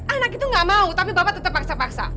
anak itu gak mau tapi bapak tetap paksa paksa